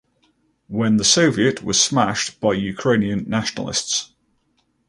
When the soviet was smashed by Ukrainian nationalists.